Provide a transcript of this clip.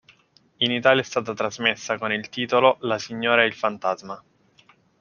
In Italia è stata trasmessa con il titolo "La signora e il fantasma".